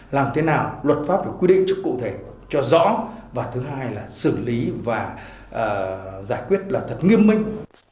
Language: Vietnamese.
làm thế nào luật pháp phải quy định rất cụ thể cho rõ và thứ hai là xử lý và giải quyết là thật nghiêm minh